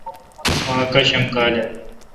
مہ اکاشم کالہ۔